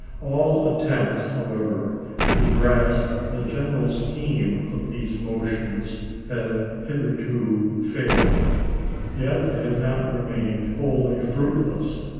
All attempts, however, to grasp the general scheme of these motions have hitherto failed. Yet they have not remained wholly fruitless.